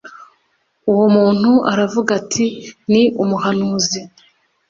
uwo muntu aravuga ati “ni umuhanuzi